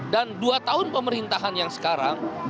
dan dua tahun pemerintahan yang sekarang